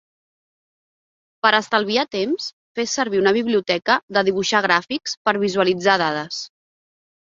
Per estalviar temps, fes servir una biblioteca de dibuixar gràfics per visualitzar dades.